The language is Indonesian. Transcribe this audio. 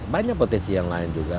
banyak potensi yang lain juga